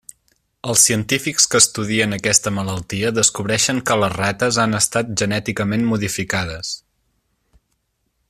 Els científics que estudien aquesta malaltia descobreixen que les rates han estat genèticament modificades.